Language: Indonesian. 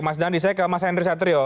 mas dandi saya ke mas henry satrio